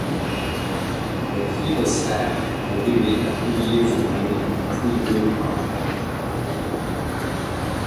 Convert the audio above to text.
When he was sacked, O'Leary had two years remaining on a three-year contract.